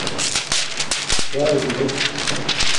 چاݵے دیں